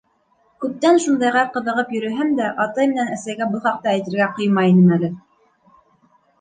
Күптән шундайға ҡыҙығып йөрөһәм дә, атай менән әсәйгә был хаҡта әйтергә ҡыймай инем әле.